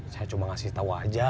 saya cuma ngasih tahu aja